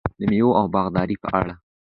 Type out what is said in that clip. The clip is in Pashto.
د میوو او باغدارۍ په اړه: